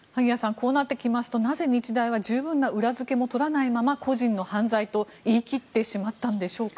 こうなってきますとなぜ日大は十分な裏付けも取らないまま個人の犯罪と言い切ってしまったのでしょうか？